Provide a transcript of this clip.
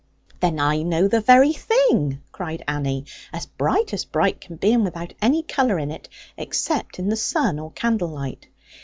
'Then I know the very thing,' cried Annie; 'as bright as bright can be, and without any colour in it, except in the sun or candle light.